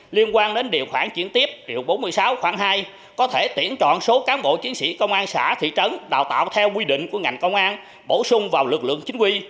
liên quan đến điều khoản chuyển tiếp điều bốn mươi sáu khoảng hai có thể tuyển chọn số cán bộ chiến sĩ công an xã thị trấn đào tạo theo quy định của ngành công an bổ sung vào lực lượng chính quy